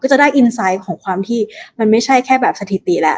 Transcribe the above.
จะได้อินไซต์ของความที่มันไม่ใช่แค่แบบสถิติแหละ